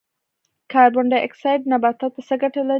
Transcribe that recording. کاربن ډای اکسایډ نباتاتو ته څه ګټه لري؟